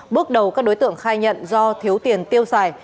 bước đầu các đối tượng khai nhận do thiếu tiền tiêu xài